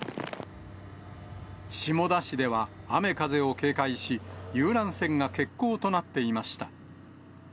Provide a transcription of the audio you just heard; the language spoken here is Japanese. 下田市では雨風を警戒し、遊覧船が欠航となっていました。